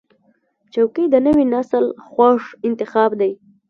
چوکۍ د نوي نسل خوښ انتخاب دی.